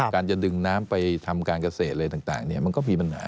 การจะดึงน้ำไปทำการเกษตรอะไรต่างมันก็มีปัญหา